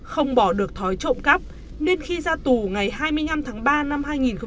không bỏ được thói trộm cắp nên khi ra tù ngày hai mươi năm tháng ba năm hai nghìn một mươi chín